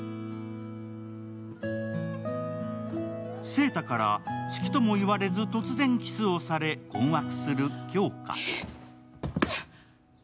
晴太から好きとも言われず突然キスをされ、困惑する杏花。